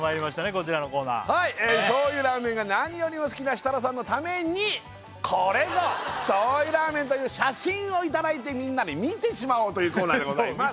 こちらのコーナー醤油ラーメンが何よりも好きな設楽さんのために「これぞ醤油ラーメン」という写真を頂いてみんなで見てしまおうというコーナーでございます